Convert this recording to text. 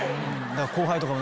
後輩とかも。